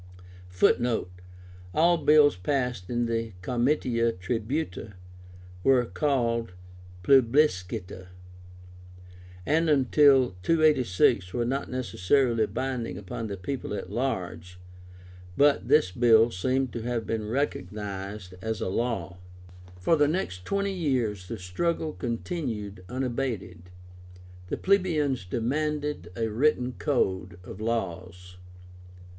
(Footnote: All bills passed in the Comitia Tribúta were called Plebiscíta, and until 286 were not necessarily binding upon the people at large; but this bill seems to have been recognized as a law.) For the next twenty years the struggle continued unabated. The plebeians demanded a WRITTEN CODE OF LAWS.